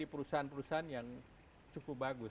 bisa kerja di perusahaan perusahaan yang cukup bagus